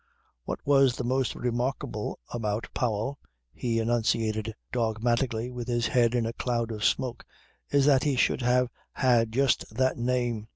"What was the most remarkable about Powell," he enunciated dogmatically with his head in a cloud of smoke, "is that he should have had just that name.